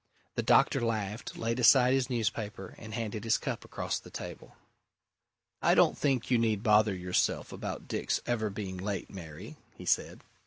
The doctor laughed, laid aside his newspaper, and handed his cup across the table. "I don't think you need bother yourself about Dick's ever being late, Mary," he said.